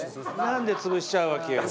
なんで潰しちゃうわけよ。